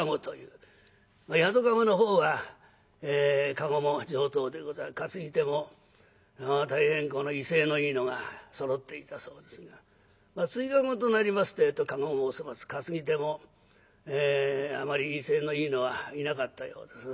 宿駕籠の方は駕籠も上等でござい担ぎ手も大変この威勢のいいのがそろっていたそうですが辻駕籠となりますてえと駕籠もお粗末担ぎ手もあまり威勢のいいのはいなかったようです。